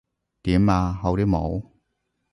點呀？好啲冇？